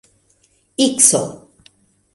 ikso